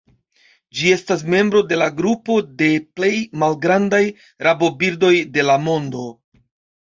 Ĝi estas membro de la grupo de plej malgrandaj rabobirdoj de la mondo.